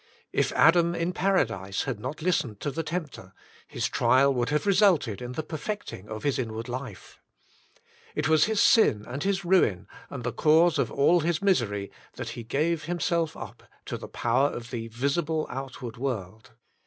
If Adam in paradise had not listened to the tempter, his trial would have resulted in the per fecting of his inward life. It was his sin and his ruin, and the cause of all his misery, that he gave himself up to the power of the visible outward world.